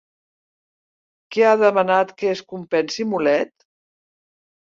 Què ha demanat que es compensi Mulet?